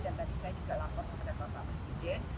dan tadi saya juga lapor kepada pak presiden